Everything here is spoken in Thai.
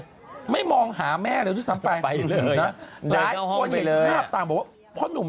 อาร์จักรแก่แม่ตลอด